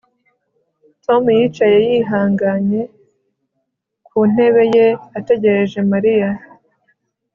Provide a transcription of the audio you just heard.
Tom yicaye yihanganye ku ntebe ye ategereje Mariya